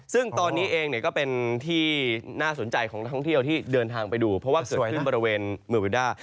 ซึ่งตอนนี้เองก็เป็นที่น่าสนใจของนักท่องเที่ยวที่เดินทางไปดูเพราะว่าเกิดขึ้นบริเวณเมืองวิด้า